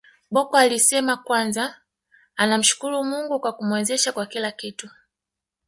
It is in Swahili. Bocco alisema kwanza anamshukuru Mungu kwa kumwezesha kwa kila kitu